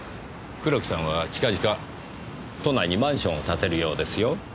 黒木さんは近々都内にマンションを建てるようですよ。